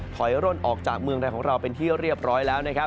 ถอยร่นออกจากเมืองไทยของเราเป็นที่เรียบร้อยแล้วนะครับ